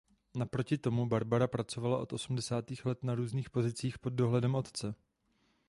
Naproti tomu Barbara pracovala od osmdesátých let na různých pozicích pod dohledem otce.